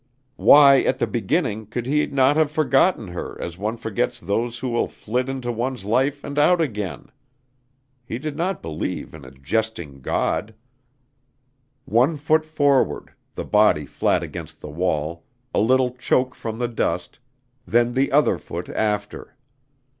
Why at the beginning could he not have forgotten her as one forgets those who flit into one's life and out again? He did not believe in a jesting God. One foot forward, the body flat against the wall, a little choke from the dust, then the other foot after.